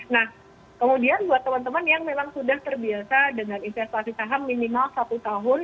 nah kemudian buat teman teman yang memang sudah terbiasa dengan investasi saham minimal satu tahun